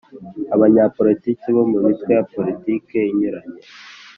Abanyapolitiki bo mu mitwe ya politiki inyuranye